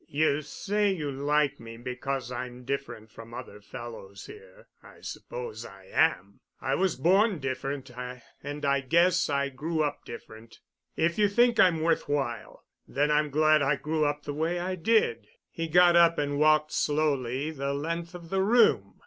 "You say you like me because I'm different from other fellows here. I suppose I am. I was born different and I guess I grew up different. If you think I'm worth while, then I'm glad I grew up the way I did." He got up and walked slowly the length of the room.